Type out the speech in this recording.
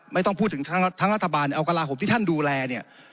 ไม่ต้องพูดถึงทั้งรัฐบาลเอากระลาห่มที่ท่านดูแลเนี่ย